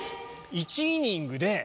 １イニングで。